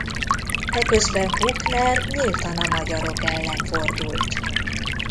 Eközben Puchner nyíltan a magyarok ellen fordult.